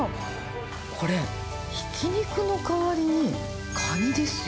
これ、ひき肉の代わりに、カニですよ。